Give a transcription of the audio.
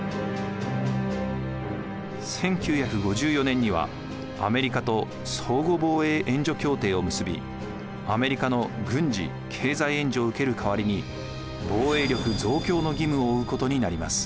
１９５４年にはアメリカと相互防衛援助協定を結びアメリカの軍事・経済援助を受ける代わりに防衛力増強の義務を負うことになります。